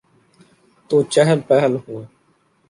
تو چہل پہل ہو۔